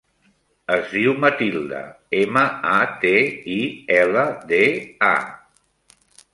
Es diu Matilda: ema, a, te, i, ela, de, a.